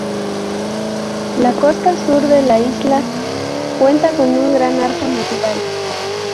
La costa sur de la isla cuenta con un gran arco natural.